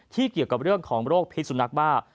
เกี่ยวกับเรื่องของโรคพิษสุนักบ้า